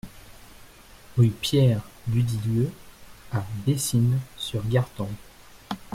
Rue Pierre Duditlieu à Bessines-sur-Gartempe